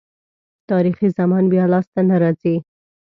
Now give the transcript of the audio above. تاریخي زمان بیا لاسته نه راځي.